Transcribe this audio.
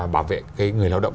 bảo vệ người lao động